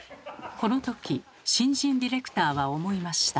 この時新人ディレクターは思いました。